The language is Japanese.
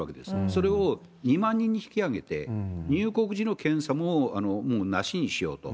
それを２万人に引き上げて、入国時の検査も、もうなしにしようと。